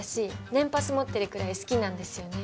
年パス持ってるくらい好きなんですよね